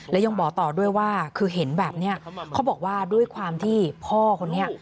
และยังบอกต่อด้วยว่าคือเห็นแบบนี้เขาบอกว่าด้วยความที่พ่อคนนี้